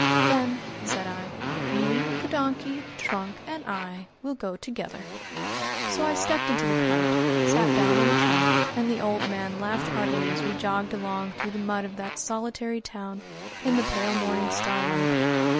"Then," said I, "you, the donkey, the trunk, and I will go together." So I stepped into the cart, sat down on the trunk, and the old man laughed heartily as we jogged along through the mud of that solitary town in the pale morning starlight.